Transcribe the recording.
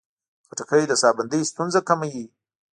خټکی د ساه بندي ستونزې کموي.